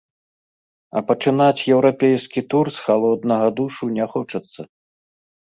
А пачынаць еўрапейскі тур з халоднага душу не хочацца.